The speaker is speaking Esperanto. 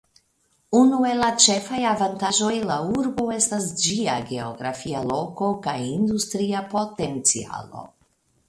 Unu el la ĉefaj avantaĝoj la urbo estas ĝia geografia Loko kaj industria potencialo.